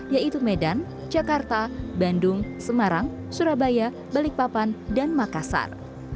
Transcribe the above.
yaitu medan jakarta bandung semarang surabaya balikpapan dan makassar